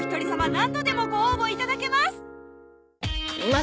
何度でもご応募頂けます